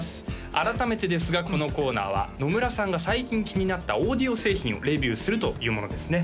改めてですがこのコーナーは野村さんが最近気になったオーディオ製品をレビューするというものですね